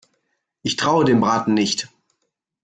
Ich traue dem Braten nicht.